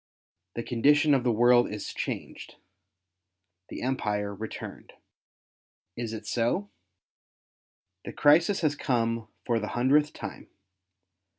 The condition of the world is changed — the Empire returned. Is it so ? The crisis has come for the hundredth time.